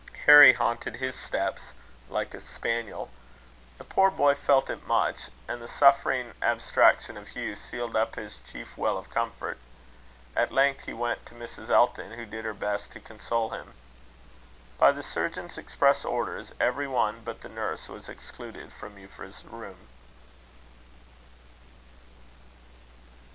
Harry haunted his steps like a spaniel. The poor boy felt it much; and the suffering abstraction of Hugh sealed up his chief well of comfort. At length he went to Mrs. Elton, who did her best to console him. By the surgeon's express orders, every one but the nurse was excluded from Euphra's room.